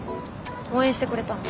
応援してくれたの。